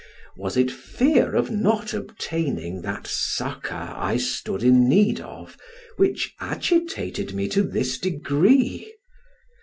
Was it fear of not obtaining that succor I stood in need of, which agitated me to this degree?